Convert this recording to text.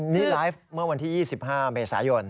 นี่ไลฟ์เมื่อวันที่๒๕เมษายน